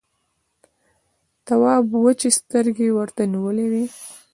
تواب وچې سترګې ورته نيولې وې…